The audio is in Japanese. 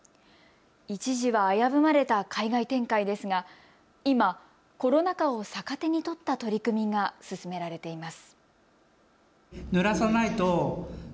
一時は危ぶまれた海外展開ですが今、コロナ禍を逆手に取った取り組みが進められています。